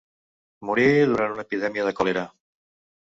Morí durant una epidèmia de còlera.